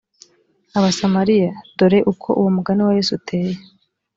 abasamariya dore uko uwo mugani wa yesu uteye